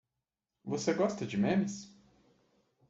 Você gosta de memes?